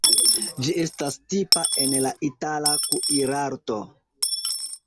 Ĝi estas tipa en la itala kuirarto.